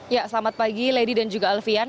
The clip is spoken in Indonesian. ya selamat pagi lady dan juga alfian